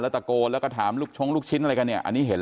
ตะโกนแล้วก็ถามลูกชงลูกชิ้นอะไรกันเนี่ยอันนี้เห็นแล้ว